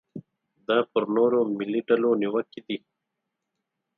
دا پر نورو ملي ډلو نیوکې دي.